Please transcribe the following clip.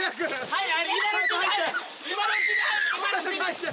はい。